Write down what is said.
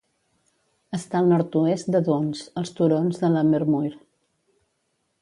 Està al nord-oest de Duns, als turons de Lammermuir.